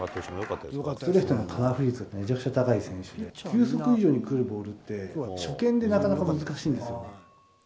ストレートの空振り率がめちゃくちゃ高い選手で、球速以上に来るボールって、初見でなかなか難しいんですよね。